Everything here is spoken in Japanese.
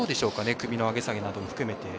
首の上げ下げも含めて。